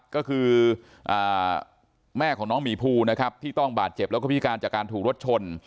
ก็คือแม่ของน้องหมีภูนะครับที่ต้องบาดเจ็บแล้วก็พิการจากการถูกรถชน